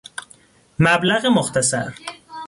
مبلغ مختصر